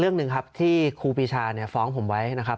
เรื่องหนึ่งครับที่ครูปีชาฟ้องผมไว้นะครับ